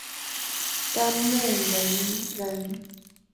端木仁人。